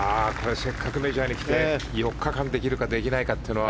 せっかくメジャーにきて４日間できるかできないかというのは。